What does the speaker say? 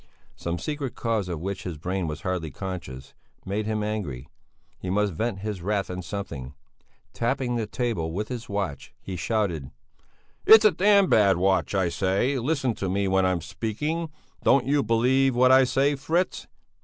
Some secret cause of which his brain was hardly conscious, made him angry; he must vent his wrath on something; tapping the table with his watch, he shouted: "It's a damned bad watch, I say! Listen to me when I'm speaking! Don't you believe what I say, Fritz?